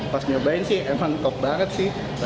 pas nyobain sih emang top banget sih